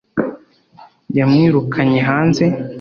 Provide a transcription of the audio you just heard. yamwirukanye hanze